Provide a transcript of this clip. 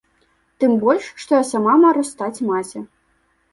Тым больш, што я саму мару стаць маці.